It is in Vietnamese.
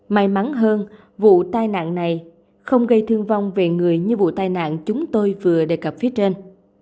may mắn hơn vụ tai nạn này không gây thương vong về người như vụ tai nạn chúng tôi vừa đề cập phía trên